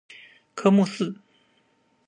科目四